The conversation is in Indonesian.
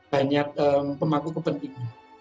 banyak pemangku kepentingan